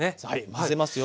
混ぜますよ。